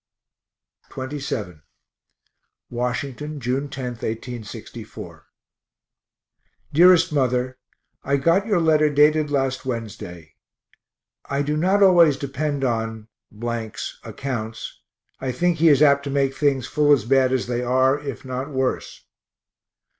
XXVII Washington, June 10, 1864. DEAREST MOTHER I got your letter dated last Wednesday. I do not always depend on 's accounts. I think he is apt to make things full as bad as they are, if not worse.